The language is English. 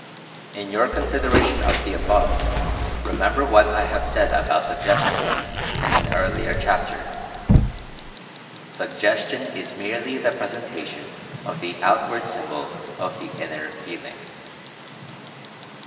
In your consideration of the above, remember what I have said about Suggestion, in an earlier chapter. Suggestion is merely the presentation of the Outward Symbol of the Inner Feeling.